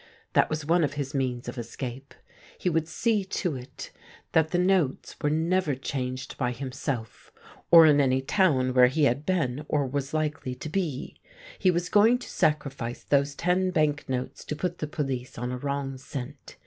That was one of his means of escape. He would see to it that the notes 63 THE GREEN LIGHT were never changed by himself, or in any town where he had been or was hkely to be. He was going to sacrifice those ten bank notes to put the police on a wrong scent.